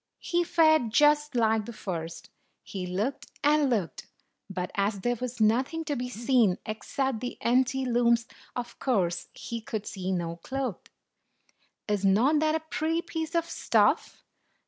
He fared just like the first: he looked and looked, but, as there was nothing to be seen except the empty looms, of course he could see no cloth. "Is not that a pretty piece of stuff?"